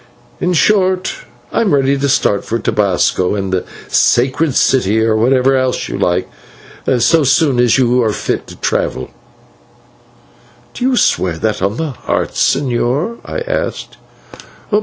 In short, I am ready to start for Tobasco, and the Sacred City, and wherever else you like, so soon as you are fit to travel." "Do you swear that on the Heart, señor?" I asked.